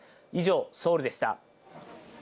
以上、ソウルでした。